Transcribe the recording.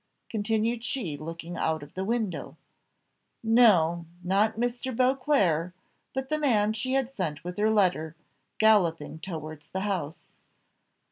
continued she, looking out of the window. No! not Mr. Beauclerc, but the man she had sent with her letter, galloping towards the house.